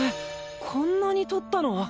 こんなに取ったの？